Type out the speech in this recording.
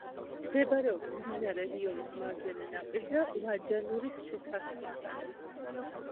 მდებარეობს მდინარე რიონის მარჯვენა ნაპირზე, ლაჯანურის შესართავთან.